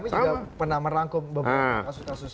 kami juga pernah merangkum beberapa kasus kasus